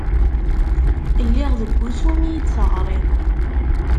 Lliɣ deg wusu mi iyi-d-teɣrid.